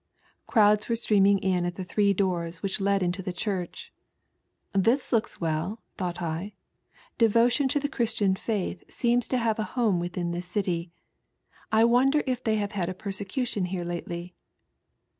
Crowds were ' Btreaming in at the three doors which led into the church. "This looks well," thought I, "devotion to the Christian Faith seems to have a home within ' this city. I wonder if they have had a persecution here lately."